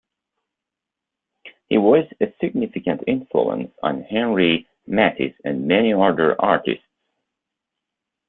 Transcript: He was a significant influence on Henri Matisse and many other artists.